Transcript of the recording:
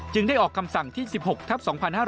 ได้ออกคำสั่งที่๑๖ทับ๒๕๕๙